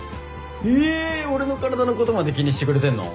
え俺の体のことまで気にしてくれてんの？